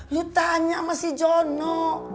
lu tanya sama si jono